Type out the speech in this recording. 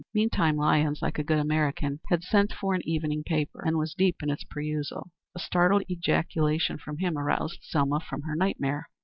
Meantime Lyons, like a good American, had sent for an evening paper, and was deep in its perusal. A startled ejaculation from him aroused Selma from her nightmare.